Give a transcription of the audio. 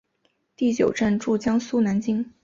第九镇驻江苏南京。